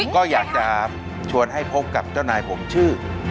ก็อยากจะชวนให้พบกับเจ้านายผมชื่อ